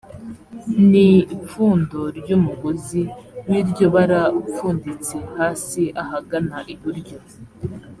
ni ipfundo ry’umugozi w’iryo bara upfunditse hasi ahagana iburyo